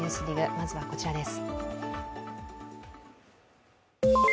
まずはこちらです。